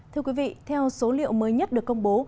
thưa quý vị theo số liệu mới nhất được công bố